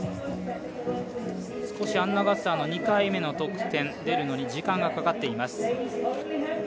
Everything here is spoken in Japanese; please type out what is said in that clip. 少しアンナ・ガッサーの２回目の得点が出るのに時間がかかっています。